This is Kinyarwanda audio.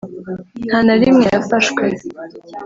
nta na rimwe yafashwe.